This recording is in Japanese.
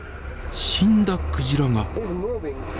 死んだクジラが。